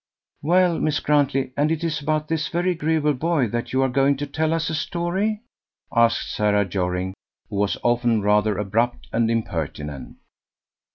"Well, Miss Grantley, and is it about this very agreeable boy that you are going to tell us a story?" asked Sarah Jorring, who was often rather abrupt and impertinent.